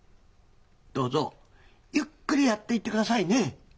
どうぞゆっくりやっていって下さいねぇ。